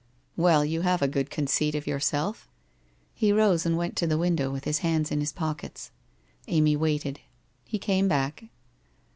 * Well, you have a good conceit of yourself.' He rose and went to the window with his hands in his pockets. Amy waited. He came back.